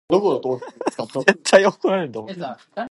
The most widely accepted matrix for this type of ionization is glycerol.